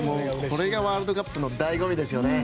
これがワールドカップの醍醐味ですよね。